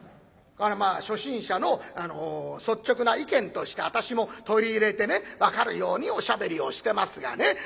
まあ初心者の率直な意見として私も取り入れてね分かるようにおしゃべりをしてますがね。